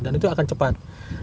dan itu akan cepat